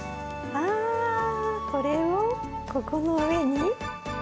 わこれをここの上に？